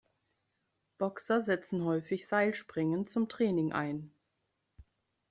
Boxer setzen häufig Seilspringen zum Training ein.